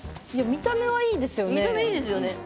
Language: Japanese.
見た目いいですよね。